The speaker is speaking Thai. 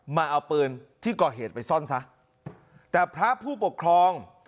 มาเอาปืนที่ก่อเหตุไปซ่อนซะแต่พระผู้ปกครอง